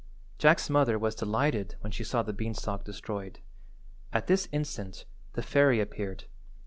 Jack's mother was delighted when she saw the beanstalk destroyed. At this instant the fairy appeared.